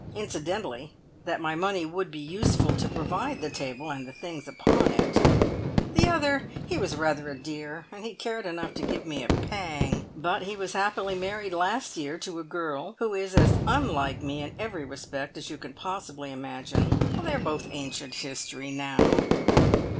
Incidentally, that my money would be useful to provide the table and the things upon it. The other he was rather a dear, and he cared enough to give me a pang. But he was happily married last year to a girl who is as un like me in every respect as you can possibly imagine. They are both ancient history now."